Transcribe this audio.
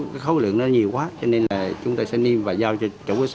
cái khấu lượng nó nhiều quá cho nên là chúng tôi sẽ niêm và giao cho chủ cơ sở